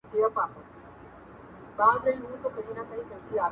پاچهي پاچهانو لره ښايي، لويي خداى لره.